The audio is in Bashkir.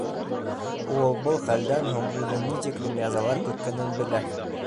Ул был хәлдән һуң үҙен ни тиклем язалар көткәнен белә.